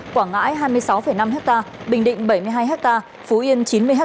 quảng ngãi hai mươi sáu năm hectare bình định bảy mươi hai ha phú yên chín mươi ha